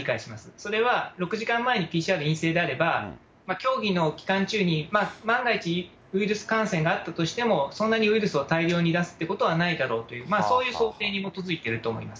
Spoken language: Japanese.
それは、６時間前にＰＣＲ陰性であれば、競技の期間中に、万が一、ウイルス感染があったとしても、そんなにウイルスを大量に出すっていうことはないだろうっていう、そういう想定に基づいてると思います。